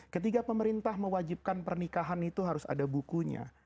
ketika pemerintah mewajibkan pernikahan itu harus ada bukunya